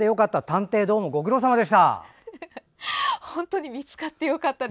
探偵どうも、ご苦労さまでした。